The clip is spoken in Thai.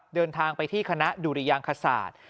เดินทางไปที่คณะดุริยางคศาสตร์